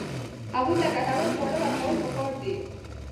هغوی ته ګټور خواړه ورکول پکار دي.